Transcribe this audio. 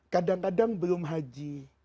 kadang kadang belum haji